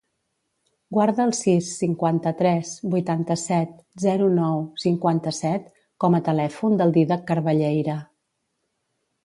Guarda el sis, cinquanta-tres, vuitanta-set, zero, nou, cinquanta-set com a telèfon del Dídac Carballeira.